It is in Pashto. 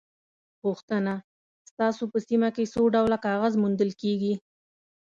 پوښتنه: ستاسو په سیمه کې څو ډوله کاغذ موندل کېږي؟